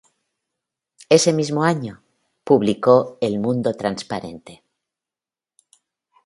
Ese mismo año, publicó "El mundo transparente.